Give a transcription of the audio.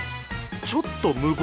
ちょっと無謀？